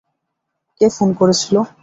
কে phone করেছিল?